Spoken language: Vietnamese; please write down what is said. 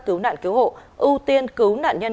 cứu nạn cứu hộ ưu tiên cứu nạn nhân